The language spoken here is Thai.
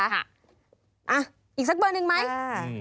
อ่ะอีกสักเบอร์หนึ่งไหม